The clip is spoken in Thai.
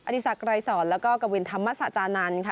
อธิสักรายสรรค์และกวินธรรมสัจจานันท์ค่ะ